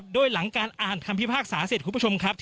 โดยหลังการอ่านคำพิพากษาเสร็จคุณผู้ชมครับ